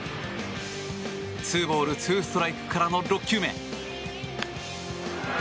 ２ボール２ストライクからの６球目。